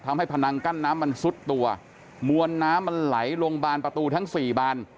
พนังกั้นน้ำมันซุดตัวมวลน้ำมันไหลลงบานประตูทั้งสี่บาน